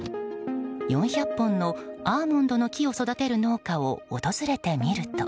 ４００本のアーモンドの木を育てる農家を訪れてみると。